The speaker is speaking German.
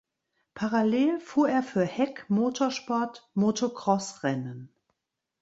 Parallel fuhr er für Heck Motorsport Motocross Rennen.